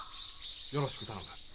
よろしく頼む。